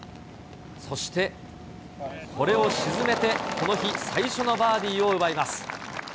そして、これを沈めて、この日、最初のバーディーを奪います。